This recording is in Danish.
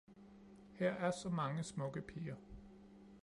Her er så mange smukke piger